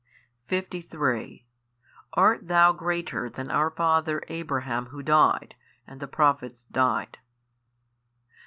53 Art THOU greater than our father Abraham who died? and the Prophets died.